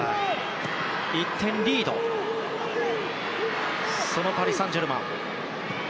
１点リードのパリ・サンジェルマン。